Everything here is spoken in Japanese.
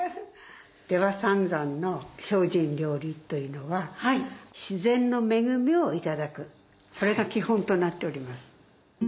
出羽三山の精進料理というのは自然の恵みをいただくこれが基本となっております。